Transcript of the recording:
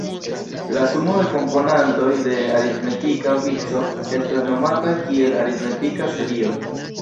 La sumo de komponantoj de aritmetika vico estas nomata kiel aritmetika serio.